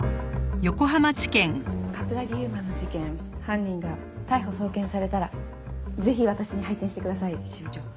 城悠真の事件犯人が逮捕送検されたらぜひ私に配点してください支部長。